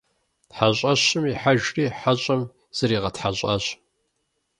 ХьэщӀэщым ихьэжри хьэщӀэм зыригъэтхьэщӀащ.